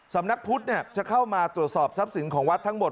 สำนักพุทธจะเข้ามาตรวจสอบทรัพย์สินของวัดทั้งหมด